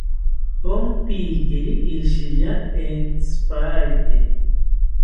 Ompiquiri ishiya entzipaete